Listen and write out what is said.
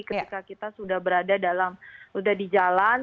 ketika kita sudah berada dalam sudah di jalan